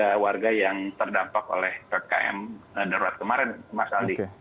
ada warga yang terdampak oleh ppkm darurat kemarin mas aldi